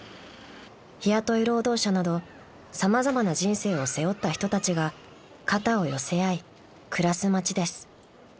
［日雇い労働者など様々な人生を背負った人たちが肩を寄せ合い暮らす街です］